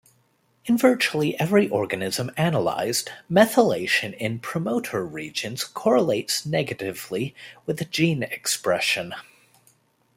In virtually every organism analyzed, methylation in promoter regions correlates negatively with gene expression.